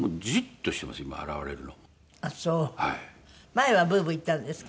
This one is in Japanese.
前はブーブー言ってたんですか？